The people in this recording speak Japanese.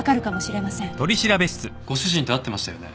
ご主人と会ってましたよね？